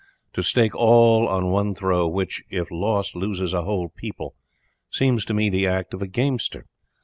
To stake all on one throw, which if lost loses a whole people, seems to me the act of a gamester.